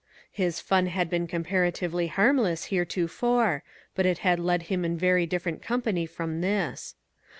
His fun had been comparatively harmless here tofore; but it had led him in very different company from this.